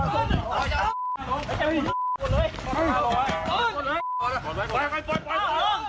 บ้าเหรอโหลครอบครัวเหรอ